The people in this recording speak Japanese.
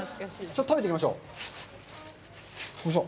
食べてみましょう！